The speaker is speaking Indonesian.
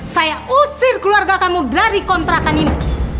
saya usir keluarga kamu dari kontrakan ini